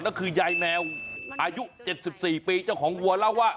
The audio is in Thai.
นั่นคือยายแมวอายุเจ็ดสิบสี่ปีเจ้าของหัวเล่าว่า